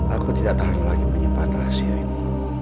aku tidak tahan lagi menyimpan rahasia ini